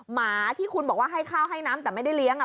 หมาที่คุณบอกว่าให้ข้าวให้น้ำแต่ไม่ได้เลี้ยง